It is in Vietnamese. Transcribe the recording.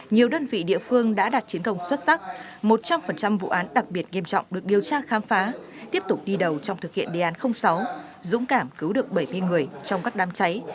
nhiều đơn vị địa phương đã đạt chiến công xuất sắc một trăm linh vụ án đặc biệt nghiêm trọng được điều tra khám phá tiếp tục đi đầu trong thực hiện đề án sáu dũng cảm cứu được bảy mươi người trong các đám cháy